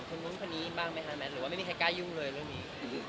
คนนู้นคนนี้บ้างไหมคะแมทหรือว่าไม่มีใครกล้ายุ่งเลยเรื่องนี้